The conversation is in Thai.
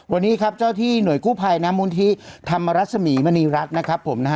วันนี้ครับเจ้าที่หน่วยกู้ภัยน้ำมูลที่ธรรมรัศมีมณีรัฐนะครับผมนะฮะ